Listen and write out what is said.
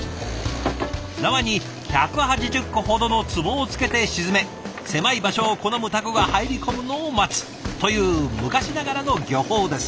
縄に１８０個ほどの壺をつけて沈め狭い場所を好むタコが入り込むのを待つという昔ながらの漁法です。